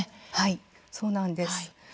そうなんです。